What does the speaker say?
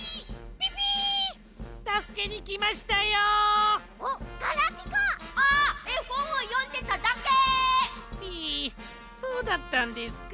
ピイそうだったんですか。